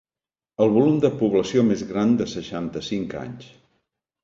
El volum de població més gran de seixanta-cinc anys.